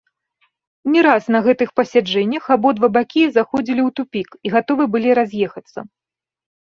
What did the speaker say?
Не раз на гэтых пасяджэннях абодва бакі заходзілі ў тупік і гатовы былі раз'ехацца.